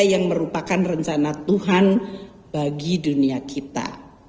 yang merupakan rencana tuhan bagi dunia kita